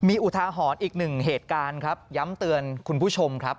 มีอุทาหรณ์อีกหนึ่งเหตุการณ์ครับย้ำเตือนคุณผู้ชมครับ